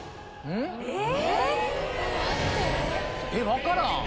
分からん！